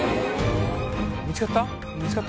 見つかった？